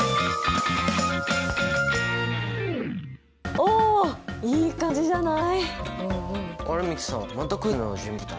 おいい感じじゃない？